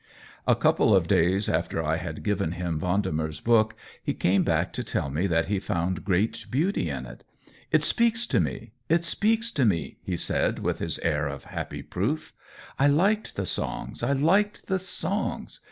A couple of days after I had given him Vendemer's book he came back to tell me that he found great beauty in it. " It speaks to me — it speaks to me," he said, with his air of happy proof. " I liked the songs — I liked the songs.